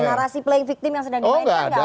narasi playing victim yang sedang dibayangkan nggak